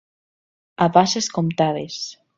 A passes comptades.